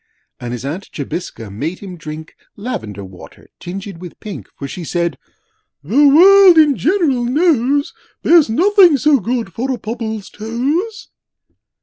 And his Aunt Jobiska made him drink, Lavender water tinged with pink, For she said, 'The World in general knows There's nothing so good for a Pobble's toes!'